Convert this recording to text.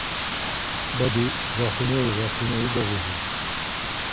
Badi raxuneri raxuneri doğuru.